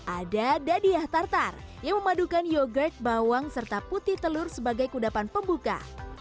ada dadiah tartar yang memadukan yogurt bawang serta putih telur sebagai kudapan pembuka